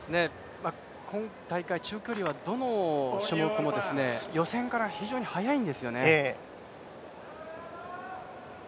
今大会中距離はどの種目も、予選から非常に速いんですよね。